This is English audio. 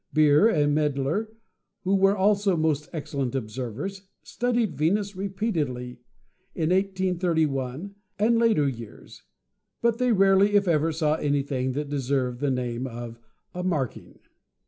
Beer and Maedler, who were also most excellent observers, studied Venus repeatedly VENUS 145 in 1833 an d l ater years, but they rarely, if ever, saw any thing that deserved the name of a marking.